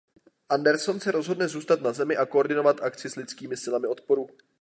Anderson se rozhodne zůstat na Zemi a koordinovat akci s lidskými silami odporu.